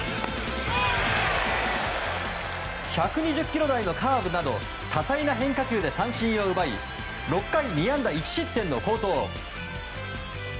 １２０キロ台のカーブなど多彩な変化球で三振を奪い６回２安打１失点の好投。